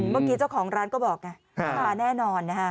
เมื่อกี้เจ้าของร้านก็บอกไงมาแน่นอนนะฮะ